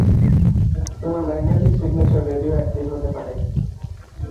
তোমার magnetic signature radioactive হতে পারে।